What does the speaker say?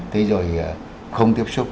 thế rồi không tiếp xúc